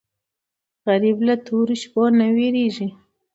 غریب له تورو شپو نه وېرېږي